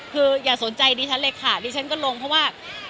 คืออย่าสนใจดิฉันเลยค่ะดิฉันก็ลงเพราะว่า